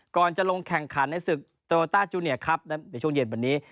ก่อนจะลงแข่งขันในศึกโตโลต้าจูเนียครับในช่วงเย็นวันนี้